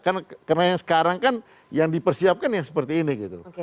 karena yang sekarang kan yang dipersiapkan yang seperti ini gitu